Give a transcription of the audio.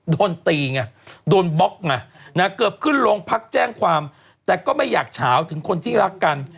โดนตีไงโดนบล็อกไงนะเกือบขึ้นโรงพักแจ้งความแต่ก็ไม่อยากเฉาถึงคนที่รักกัน